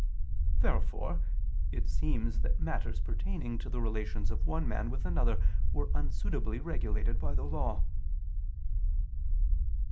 Therefore it seems that matters pertaining to the relations of one man with another were unsuitably regulated by the Law.